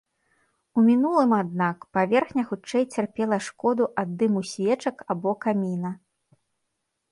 У мінулым, аднак, паверхня хутчэй цярпела шкоду ад дыму свечак або каміна.